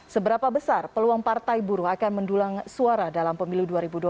seberapa besar peluang partai buruh akan mendulang suara dalam pemilu dua ribu dua puluh